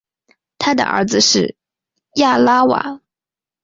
他的儿子是亚拉瓦。